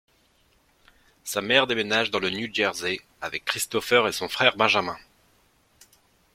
Sa mère déménage dans le New-Jersey avec Christopher et son frère Benjamin.